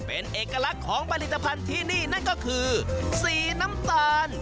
เป็นเอกลักษณ์ของผลิตภัณฑ์ที่นี่นั่นก็คือสีน้ำตาล